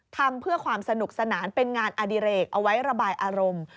ทำเพื่อความสนุกสนานเป็นงานอดิเรกเอาไว้ระบายอารมณ์